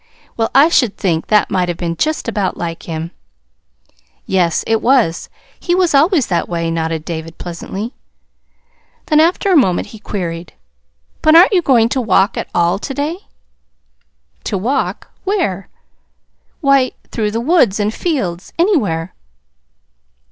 "Well, I should think that might have been just about like him." "Yes, it was. He was always that way," nodded David pleasantly. Then, after a moment, he queried: "But aren't you going to walk at all to day?" "To walk? Where?" "Why, through the woods and fields anywhere."